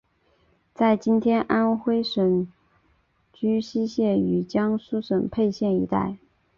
在今天安微省睢溪县与江苏省沛县一带。